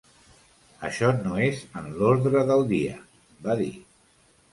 Això no és en l’ordre del dia, va dir.